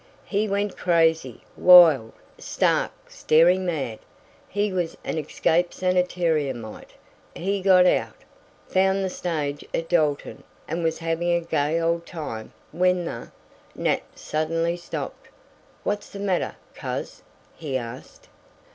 He went crazy wild, stark, staring mad! He was an escaped sanitariumite he got out, found the stage at Dalton, and was having a gay old time when the " Nat suddenly stopped. "What's the matter, coz?" he asked.